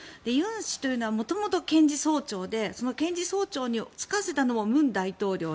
尹氏というのは元々検事総長で検事総長に就かせたのも文大統領。